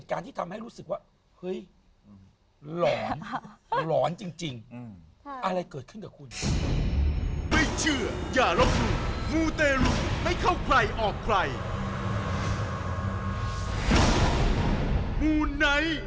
อะไรเกิดขึ้นกับคุณ